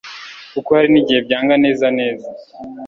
kuko hari n'igihe byanga neza neza